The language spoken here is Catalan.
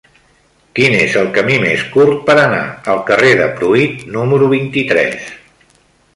Quin és el camí més curt per anar al carrer de Pruit número vint-i-tres?